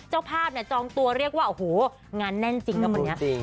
เจ้าภาพน่ะจองตัวเรียกว่าอ๋อหูงานแน่นจริงนะเมื่อนี้